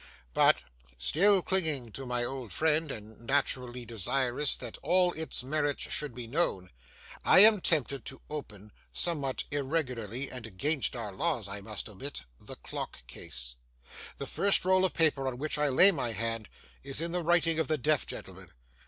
But, still clinging to my old friend, and naturally desirous that all its merits should be known, I am tempted to open (somewhat irregularly and against our laws, I must admit) the clock case. The first roll of paper on which I lay my hand is in the writing of the deaf gentleman.